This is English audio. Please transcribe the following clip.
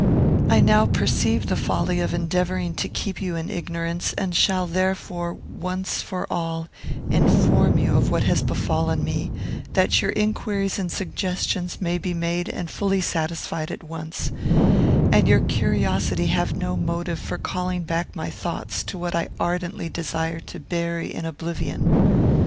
"I now perceive the folly of endeavouring to keep you in ignorance, and shall therefore, once for all, inform you of what has befallen me, that your inquiries and suggestions may be made and fully satisfied at once, and your curiosity have no motive for calling back my thoughts to what I ardently desire to bury in oblivion.